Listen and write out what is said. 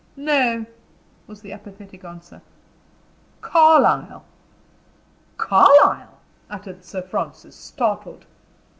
"No," was the apathetic answer. "Carlyle." "Carlyle!" uttered Sir Francis, startled.